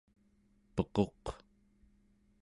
pequq¹